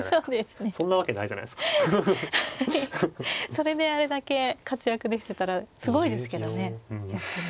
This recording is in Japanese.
それであれだけ活躍できてたらすごいですけどね。